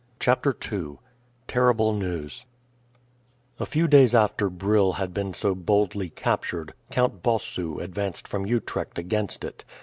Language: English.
CHAPTER II TERRIBLE NEWS A few days after Brill had been so boldly captured, Count Bossu advanced from Utrecht against it.